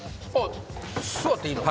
座っていいの？